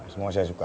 semua saya suka